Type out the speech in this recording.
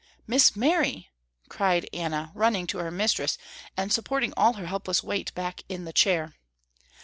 "Miss Mary!" cried Anna running to her mistress and supporting all her helpless weight back in the chair.